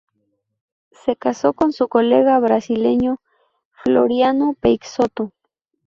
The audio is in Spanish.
Se casó con su colega brasileño Floriano Peixoto.